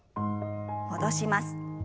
戻します。